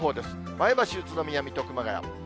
前橋、宇都宮、水戸、熊谷。